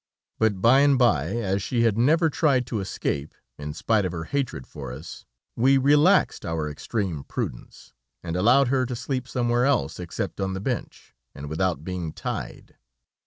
But, by and by, as she had never tried to escape, in spite of her hatred for us, we relaxed our extreme prudence, and allowed her to sleep somewhere else except on the bench, and without being tied.